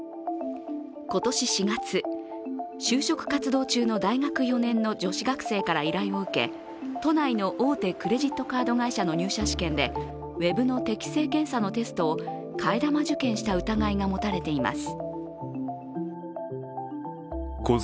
今年４月、就職活動中の大学４年の女子学生から依頼を受け都内の大手クレジットカード会社の入社試験でウェブの適性検査のテストを替え玉受検した疑いが持たれています。